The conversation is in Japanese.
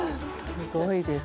すごいです。